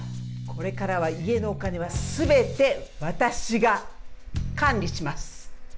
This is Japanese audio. これからは家のお金はすべて私が管理します。